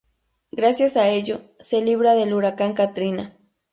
Gracias a ello, se libra del huracán Katrina.